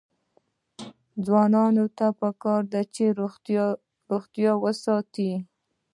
ځوانانو ته پکار ده چې، روغتیا وساتي.